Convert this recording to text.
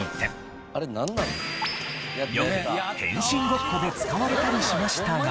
よく変身ごっこで使われたりしましたが。